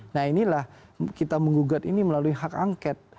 nah inilah kita menggugat ini melalui hak angket